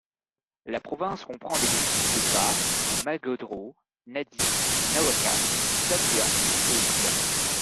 La province comprend les districts de Ba, Magodro, Nadi, Nawaka, Tavua et Vuda.